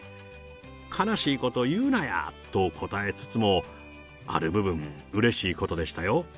悲しいこと言うなやと答えつつも、ある部分、うれしいことでしたよ。